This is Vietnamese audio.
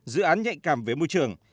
dự án nhạy cảm về môi trường